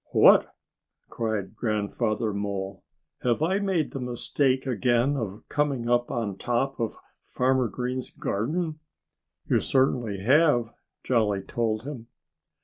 "What!" cried Grandfather Mole. "Have I made the mistake again of coming up on top of Farmer Green's garden?" "You certainly have," Jolly told him.